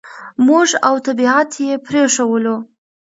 موږ او طبعیت یې پرېښوول.